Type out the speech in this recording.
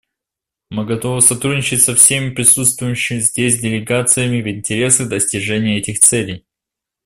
Мы готовы сотрудничать со всеми присутствующими здесь делегациями в интересах достижения этих целей.